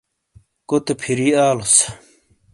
کوتے پھِیری آلوس۔